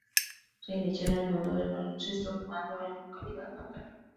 Se inició en el mundo del baloncesto jugando en localidad natal.